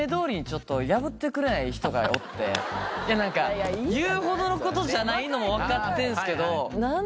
何か言うほどのことじゃないのも分かってんですけど。